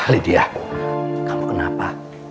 lydia kamu kenapa